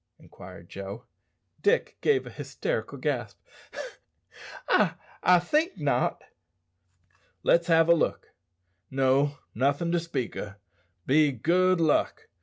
inquired Joe. Dick gave a hysterical gasp. "I I think not." "Let's have a look. No, nothin' to speak o', be good luck.